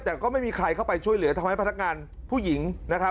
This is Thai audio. แต่ก็ไม่มีใครเข้าไปช่วยเหลือทำให้พนักงานผู้หญิงนะครับ